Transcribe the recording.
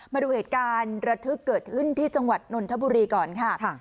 มาดูเหตุการณ์ระทึกเกิดขึ้นที่จังหวัดนนทบุรีก่อนค่ะ